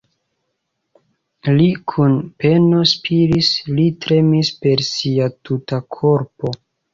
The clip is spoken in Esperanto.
Li kun peno spiris, li tremis per sia tuta korpo.